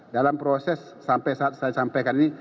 dalam proses sampai saat saya sampaikan ini